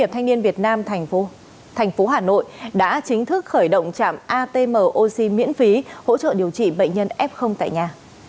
hiệp thanh niên việt nam thành phố hà nội đã chính thức khởi động trạm atm oxy miễn phí hỗ trợ điều trị bệnh nhân f tại nhà